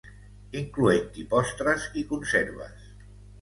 incloent-hi postres i conserves